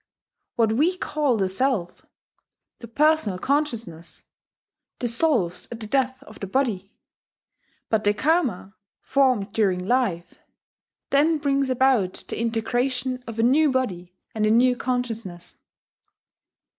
What we call the Self, the personal consciousness, dissolves at the death of the body; but the Karma, formed during life, then brings about the integration of a new body and a new consciousness.